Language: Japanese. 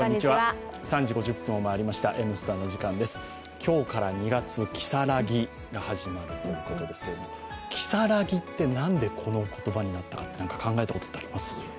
今日から２月、如月が始まるということですが、如月って何でこの言葉になったかって考えたことあります？